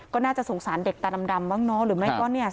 ก็น่าจะสงสารเด็กตาดำบ้างเนอะหรือไม่ก็เนี่ย